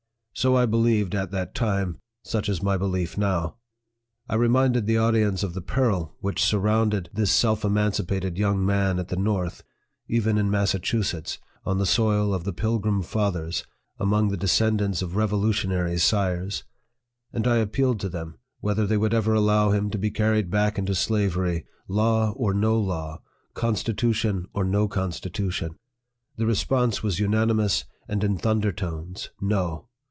So I believed at that time such is my belief now. I reminded the audience of the peril which sur rounded this self emancipated young man at the North, even in Massachusetts, on the soil of the Pilgrim Fathers, among the descendants of revolutionary sires ; and I appealed to them, whether they would ever allow him to be carried back into slavery, law or no law, constitution or no constitution. The response was unanimous and in thunder tones " NO